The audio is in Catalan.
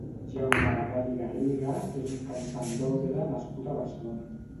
Jaume Aragall i Garriga és un cantant d'òpera nascut a Barcelona.